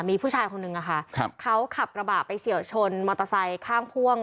มีผู้ชายคนนึงอะค่ะครับเขาขับกระบะไปเฉียวชนมอเตอร์ไซค์ข้างพ่วง